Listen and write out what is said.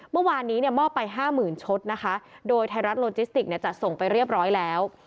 เมื่อวานนี้เนี่ยมอบไปห้าหมื่นชุดนะคะโดยไทยรัฐโลจิสติกเนี่ยจัดส่งไปเรียบร้อยแล้ว